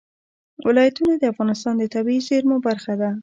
ولایتونه د افغانستان د طبیعي زیرمو برخه ده.